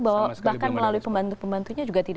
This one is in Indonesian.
bahwa bahkan melalui pembantu pembantunya juga tidak